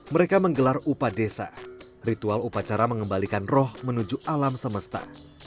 mereka menggelar upadesa ritual upacara mengembalikan roh menuju alam semesta